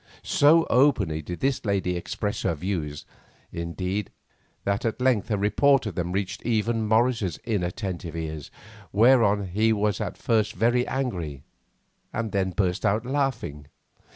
So openly did this lady express her views, indeed, that at length a report of them reached even Morris's inattentive ears, whereon he was at first very angry and then burst out laughing.